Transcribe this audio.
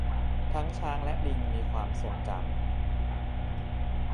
ทั้งช้างและลิงมีความทรงจำ